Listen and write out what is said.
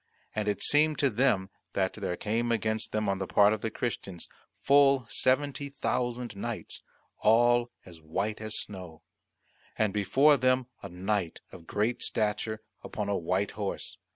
And it seemed to them that there came against them on the part of the Christians full seventy thousand knights, all as white as snow: and before them a knight of great stature upon a white horse.